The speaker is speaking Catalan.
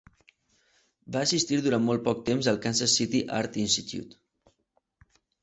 Va assistir durant molt poc temps al Kansas City Art Institute.